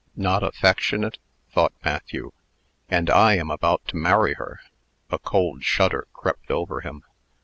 Not affectionate!" thought Matthew. "And I am about to marry her!" A cold shudder crept over him.